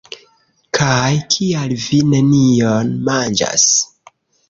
Kaj kial vi nenion manĝas?